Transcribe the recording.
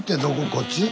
こっち？